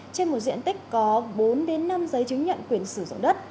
trên một diện tích có bốn đến năm giấy chứng nhận quyền sử dụng đất